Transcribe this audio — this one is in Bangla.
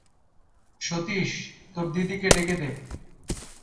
সতীশ, তোর দিদিকে ডেকে দে।